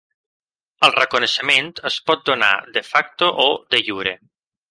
El reconeixement es pot donar "de facto" o "de jure".